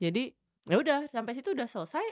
jadi yaudah sampai situ udah selesai